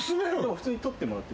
普通に取ってもらって。